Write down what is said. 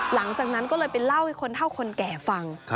หลังจากนั้นก็เลยไปเล่าให้คนเท่าคนแก่ฟัง